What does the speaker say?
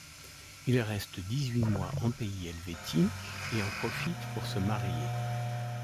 Il reste dix-huit mois en pays helvétique, et en profite pour se marier.